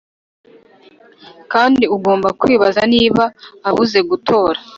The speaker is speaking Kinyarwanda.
kandi ugomba kwibaza niba abuze gutora